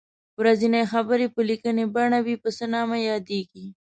ورځنۍ خبرې په لیکنۍ بڼه وي په څه نامه یادیږي.